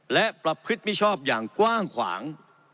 และประพฤติมิชอบอย่างกว้างขวาง